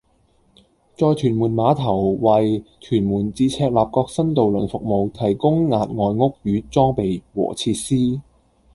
在屯門碼頭為屯門至赤鱲角新渡輪服務提供額外屋宇裝備和設施